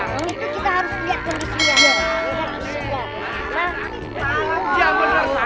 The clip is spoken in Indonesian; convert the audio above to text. itu kita harus lihat kondisi ya